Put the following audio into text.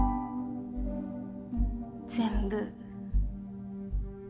全部。